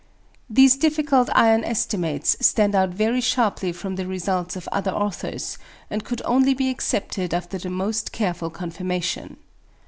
These difficult iron estimations stand out very sharply from the results of other authors and could only be accepted after the most careful confirmation.